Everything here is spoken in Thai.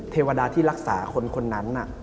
เทวดาที่รักษาคนนั้น